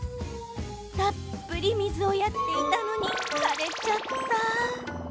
たっぷり水をやっていたのに枯れちゃった。